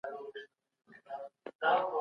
دلته هره ورځ بېوزله خلګو ته خواړه وېشل کيږي.